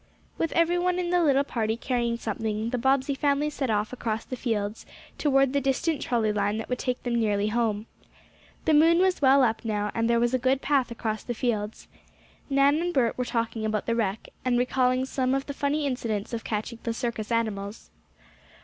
With everyone in the little party carrying something, the Bobbsey family set off across, the fields toward the distant trolley line that would take them nearly home. The moon was well up now, and there was a good path across the fields. Nan and Bert were talking about the wreck, and recalling some of the funny incidents of catching the circus animals.